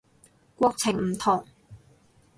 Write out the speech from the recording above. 國情唔同